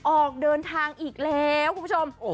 ออกเดินทางอีกแล้วคุณผู้ชม